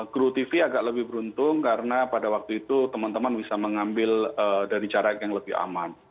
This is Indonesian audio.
kru tv agak lebih beruntung karena pada waktu itu teman teman bisa mengambil dari jarak yang lebih aman